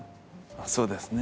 そうですね。